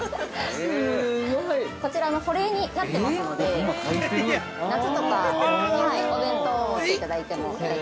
◆こちら、保冷になってますので、夏とかお弁当を持っていただいても。